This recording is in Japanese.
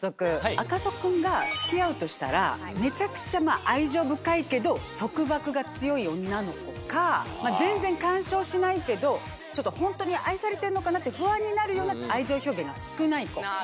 赤楚君が付き合うとしたらめちゃくちゃ愛情深いけど束縛が強い女の子か全然干渉しないけどホントに愛されてんのかなって不安になるような愛情表現が少ない子。